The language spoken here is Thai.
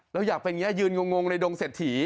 แล้วอยากเป็นอย่างนี้ยืนงงในดงเศรษฐี